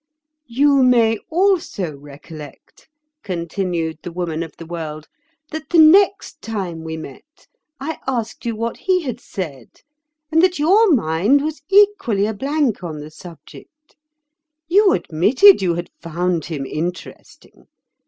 "You may also recollect," continued the Woman of the World, "that the next time we met I asked you what he had said, and that your mind was equally a blank on the subject. You admitted you had found him interesting.